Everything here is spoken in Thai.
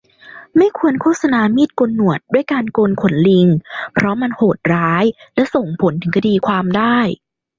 ไม่ควรโฆษณามีดโกนหนวดด้วยการโกนขนลิงเพราะมันโหดร้ายและส่งผลถึงคดีความได้